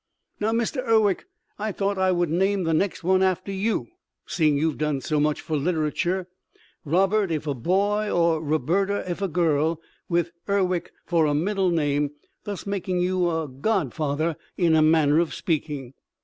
Now Mr. Urwick I thought that I would name the next one after you, seeing you have done so much for literature Robert if a boy or Roberta if a girl with Urwick for a middle name thus making you a godfather in a manner of speaking.